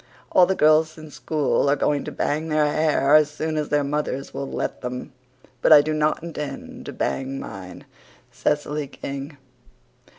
All the girls in school are going to bang their hair as soon as their mothers will let them. But I do not intend to bang mine. CECILY KING.